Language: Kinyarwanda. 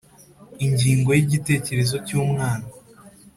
Ingingo ya igitekerezo cy umwana